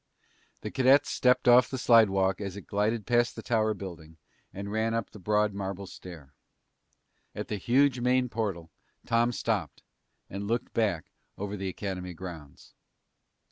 The cadets stepped off the slidewalk as it glided past the Tower building and ran up the broad marble stair. At the huge main portal, Tom stopped and looked back over the Academy grounds.